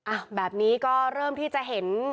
อ่ะแบบนี้ก็เริ่มที่จะเห็น